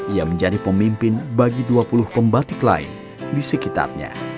ia menjadi pemimpin bagi dua puluh pembatik lain di sekitarnya